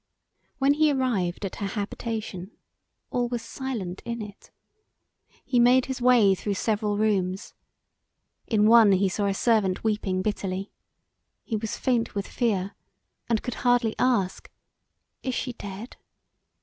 When he arrived at her habitation all was silent in it: he made his way through several rooms; in one he saw a servant weeping bitterly: he was faint with fear and could hardly ask, "Is she dead?"